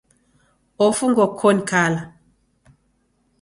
Ofungwa koni kala.